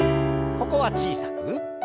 ここは小さく。